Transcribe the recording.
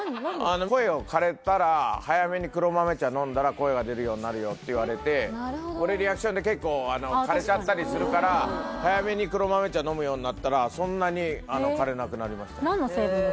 声が出るようになるよって言われて俺リアクションで結構かれちゃったりするから早めに黒豆茶飲むようになったらそんなにかれなくなりましたよ